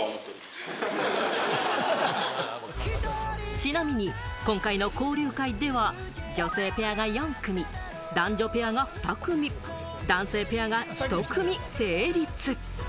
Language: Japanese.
ちなみに今回の交流会では、女性ペアが４組、男女ペアが２組、男性ペアが１組成立。